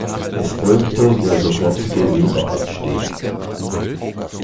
Es folgte der sofortige Wiederabstieg.